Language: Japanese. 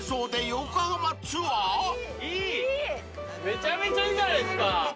めちゃめちゃいいじゃないですか！